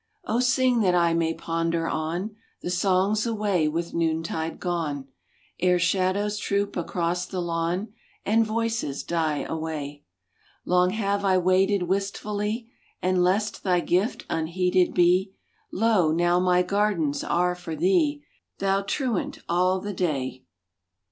O sing that I may ponder on The songs away with noontide gone, Ere shadows troop across the lawn And voices die away. Long have I waited wistfully; And lest thy gift unheeded be, Lo, now my gardens are for thee, Thou truant all the day!